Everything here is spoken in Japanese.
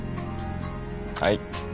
はい。